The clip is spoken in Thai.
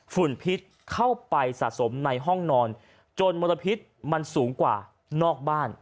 ฝุ่นพิษเข้าไปสะสมในห้องนอนจนมลพิษมันสูงกว่านอกบ้าน